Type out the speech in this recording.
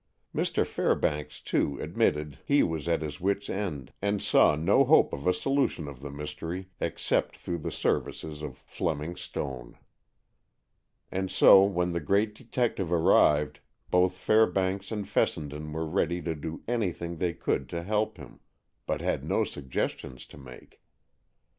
Mr. Fairbanks, too, admitted that he was at his wits' end, and saw no hope of a solution of the mystery except through the services of Fleming Stone. And so when the great detective arrived, both Fairbanks and Fessenden were ready to do anything they could to help him, but had no suggestions to make.